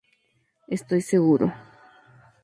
Estoy seguro.